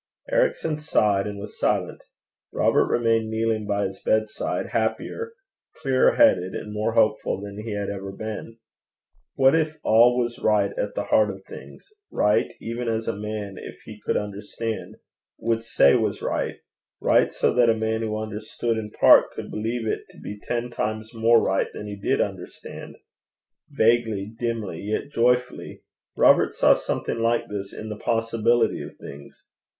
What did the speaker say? Ericson sighed and was silent. Robert remained kneeling by his bedside, happier, clearer headed, and more hopeful than he had ever been. What if all was right at the heart of things right, even as a man, if he could understand, would say was right; right, so that a man who understood in part could believe it to be ten times more right than he did understand! Vaguely, dimly, yet joyfully, Robert saw something like this in the possibility of things.